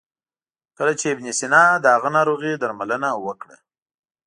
کله چې ابن سینا د هغه ناروغي درملنه وکړه.